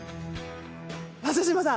松嶋さん